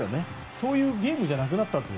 そういうゲームじゃなくなった。